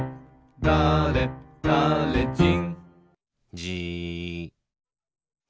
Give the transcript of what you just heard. だれだれじん。